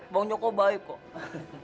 bang joko baik kok